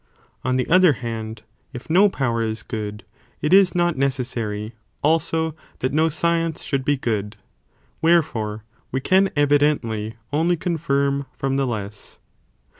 On the other hand, if no power is good, it is not necessary also that no science should be good, wherefore we can evidently only con firm, from the less.